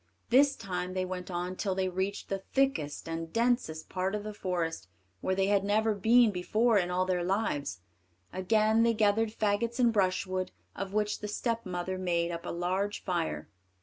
This time they went on till they reached the thickest and densest part of the forest, where they had never been before in all their lives. Again they gathered faggots and brushwood, of which the stepmother made up a large fire.